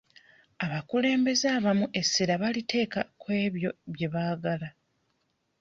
Abakulembeze abamu essira baliteeka kw'ebyo bye baagala.